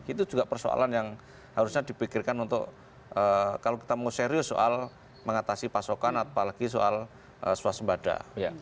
itu juga persoalan yang harusnya dipikirkan untuk kalau kita mau serius soal mengatasi pasokan apalagi soal swasembada